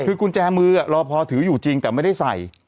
คือกุญแจมือรอพอถืออยู่จริงแต่ไม่ได้ใส่